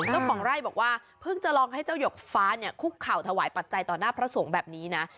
เจ้าของไร่บอกว่าเพิ่งจะลองให้เจ้าหยกฟ้าเนี่ยคุกเข่าถวายปัจจัยต่อหน้าพระสงฆ์แบบนี้นะ